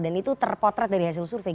dan itu terpotret dari hasil survei